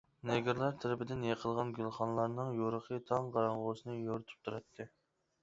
نېگىرلار تەرىپىدىن يېقىلغان گۈلخانلارنىڭ يورۇقى تاڭ قاراڭغۇسىنى يورۇتۇپ تۇراتتى.